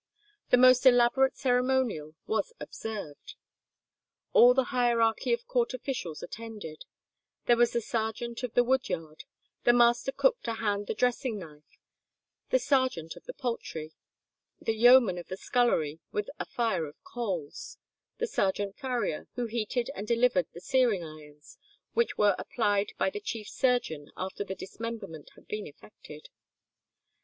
The most elaborate ceremonial was observed. All the hierarchy of court officials attended; there was the sergeant of the wood yard, the master cook to hand the dressing knife, the sergeant of the poultry, the yeoman of the scullery with a fire of coals, the sergeant farrier, who heated and delivered the searing irons, which were applied by the chief surgeon after the dismemberment had been effected.